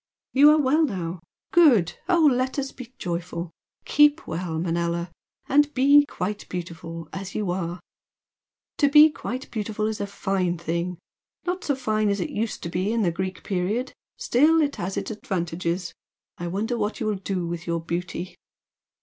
"You are well now? Good! O let us be joyful! Keep well, Manella! and be 'quite beautiful' as you are! To be quite beautiful is a fine thing not so fine as it used to be in the Greek period still, it has its advantages! I wonder what you will do with your beauty?"